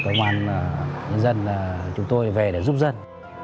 công an nhân dân là chúng tôi về để giúp dân